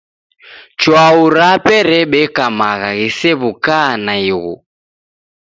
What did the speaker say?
Chwau rape rebeka magha ghisew'uka naighu.